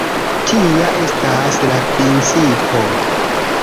Tia estas la principo.